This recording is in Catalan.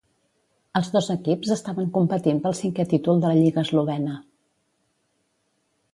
Els dos equips estaven competint pel cinqué títol de la lliga eslovena.